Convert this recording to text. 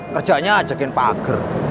kerjanya ajakin pager